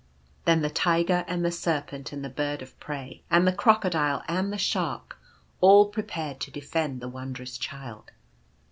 Then the Tiger and the Serpent and the Bird of Prey, May's Whisper. 185 and the Crocodile and the Shark, all prepared to defend the Wondrous Child.